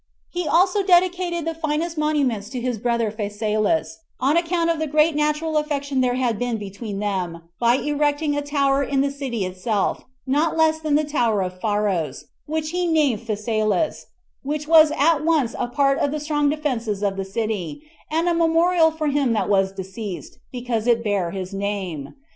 He also dedicated the finest monuments to his brother Phasaelus, on account of the great natural affection there had been between them, by erecting a tower in the city itself, not less than the tower of Pharos, which he named Phasaelus, which was at once a part of the strong defenses of the city, and a memorial for him that was deceased, because it bare his name.